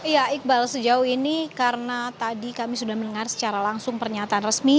ya iqbal sejauh ini karena tadi kami sudah mendengar secara langsung pernyataan resmi